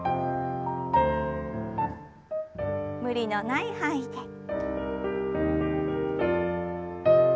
無理のない範囲で。